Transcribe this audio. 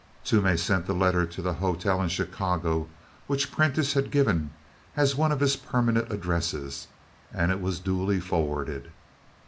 Toomey sent the letter to the hotel in Chicago which Prentiss had given as one of his permanent addresses and it was duly forwarded.